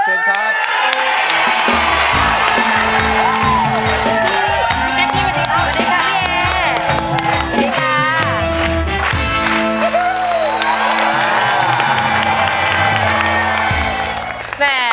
เชิงครับ